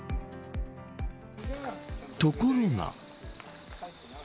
ところが。